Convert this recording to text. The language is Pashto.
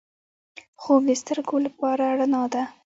خوب د سترګو لپاره رڼا ده